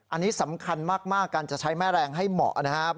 อันนี้สำคัญมากการจะใช้แม่แรงให้เหมาะนะครับ